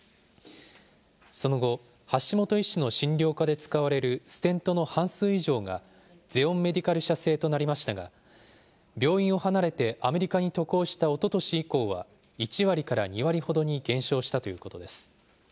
その後、橋本医師の診療科で使われるステントの半数以上がゼオンメディカル社製となりましたが、病院を離れてアメリカに渡航したおととし以降は、１割から２割ほどに減少したということです。